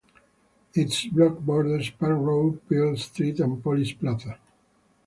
Its block borders Park Row, Pearl Street, and Police Plaza.